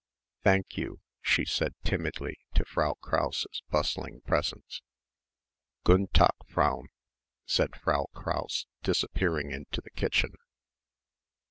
"Thank you," she said timidly to Frau Krause's bustling presence. "Gun' Tak' Fr'n," said Frau Krause, disappearing into the kitchen.